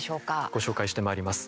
ご紹介してまいります。